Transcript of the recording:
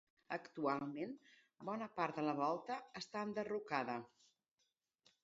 Actualment, bona part de la volta està enderrocada.